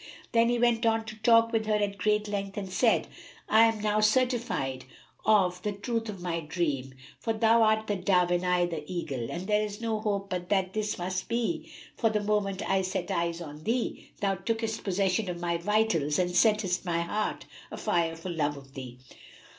Then he went on to talk with her at great length and said, "I am now certified of the truth of my dream, for thou art the dove and I the eagle, and there is no hope but that this must be, for, the moment I set eyes on thee, thou tookest possession of my vitals and settest my heart a fire for love of thee!"